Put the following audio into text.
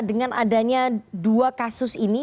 dengan adanya dua kasus ini